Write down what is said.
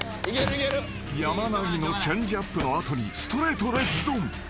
［山なりのチェンジアップの後にストレートでずどん］